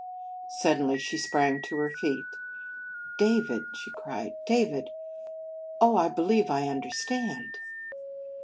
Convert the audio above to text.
Suddenly she sprang to her feet. "David!" she cried. "David! Oh, I _believe I understand!